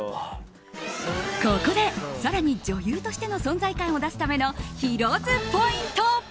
ここで、更に女優としての存在感を出すためのヒロ’ｓポイント！